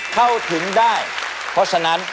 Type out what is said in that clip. เข้าถึงได้เพราะฉะนั้น